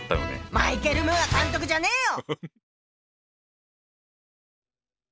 マイケル・ムーア監督じゃねえよ！